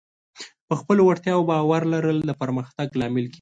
په خپلو وړتیاوو باور لرل د پرمختګ لامل کېږي.